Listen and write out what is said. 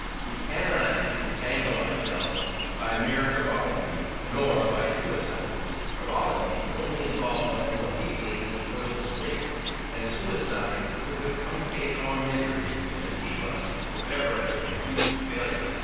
We cannot disentangle ourselves by mere frivolity, nor by suicide: frivolity would only involve us more deeply in the toils of fate, and suicide would but truncate our misery and leave us for ever a confessed failure.